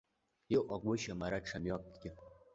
Иҟагәышьам ара ҽа мҩакы.